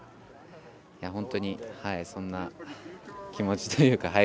本当にそんな気持ちというか。